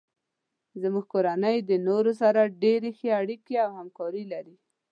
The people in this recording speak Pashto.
زمونږ کورنۍ د نورو سره ډیرې ښې اړیکې او همکاري لري